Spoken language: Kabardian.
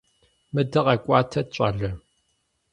Мыдэ къэкӀуатэт, щӀалэ.